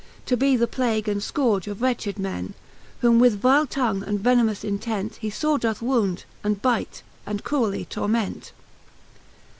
To be the plague and fcourge of wretched men: Whom with vile tongue and venemous intent He lore doth wound, and bite, and cruelly torment.